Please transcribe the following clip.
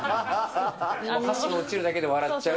箸が落ちるだけで笑っちゃう。